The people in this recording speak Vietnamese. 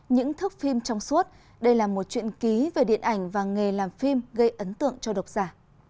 những thước phim trong suốt đây là một chuyện ký về điện ảnh và nghề làm phim gây ấn tượng cho độc giả